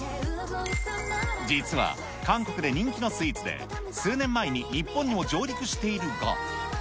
実は韓国で人気のスイーツで、数年前に日本にも上陸しているが。